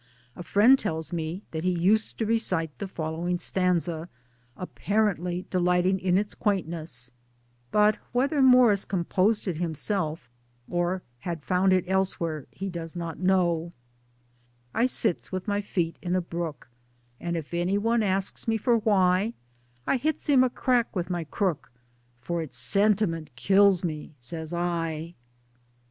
A friend tells me that he used to recite the following stanza, apparently delighting in its quaintness but whether Morris composed it him self or had found it elsewhere he does not know : I sits with my feet in a brook, And if any one asks me for why, I hits him a crack with my crook, For it's sentiment kills me, says I.